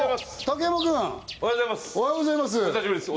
竹山君おはようございます